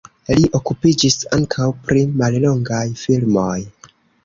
Li okupiĝis ankaŭ pri mallongaj filmoj.